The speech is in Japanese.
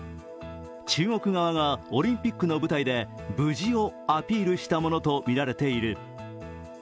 中国側がオリンピックの舞台で無事をアピールしたものとみられている。